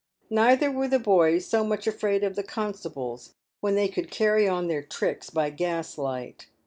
Neither were the boys so much afraid of the constables when they could carry on their tricks by gas light.